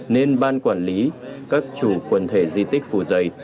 nên ban quản lý các chủ quần thể di tích phủ dây